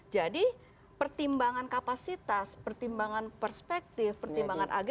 jadi pertimbangan kapasitas pertimbangan perspektif pertimbangan agri